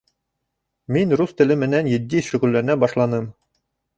Мин рус теле менән етди шөғөлләнә башланым.